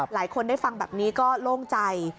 หลายคนได้ฟังแบบนี้ก็โล่งใจ